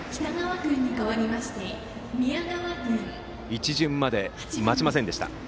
一巡まで待ちませんでした。